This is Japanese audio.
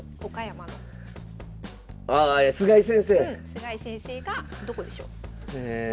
菅井先生がどこでしょう？え。